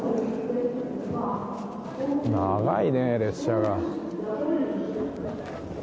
長いね、列車が。